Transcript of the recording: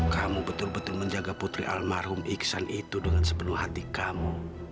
kamu betul betul menjaga putri almarhum iksan itu dengan sepenuh hati kamu